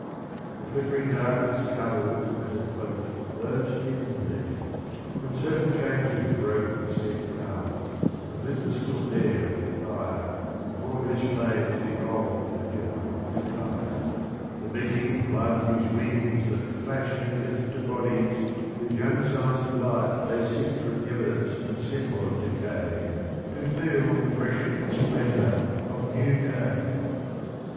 The flickering darkness covers as a cloak Those hidden there, when certain changes broke The set calm, and Ht the still air with fire Before whose flames the old and ill retire ; 73 Et in Arcadia^ Omnes. The beating blood gives wings that flash and Uft To bodies whose young signs of Ufe they sift From evidence and symbol of decay To feel the freshened splendour of new day.